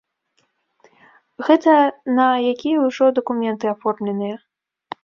Гэта на якія ўжо дакументы аформленыя.